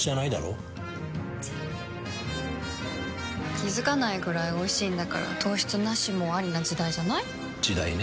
気付かないくらいおいしいんだから糖質ナシもアリな時代じゃない？時代ね。